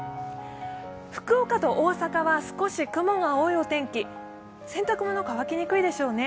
福岡と大阪は少し雲が多いお天気、洗濯物乾きにくいでしょうね。